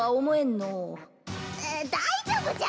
えっ大丈夫じゃ！